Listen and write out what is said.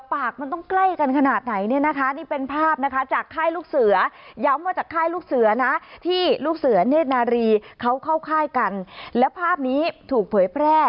ปากมันต้องใกล้กันขนาดไหนเนี่ยนะคะ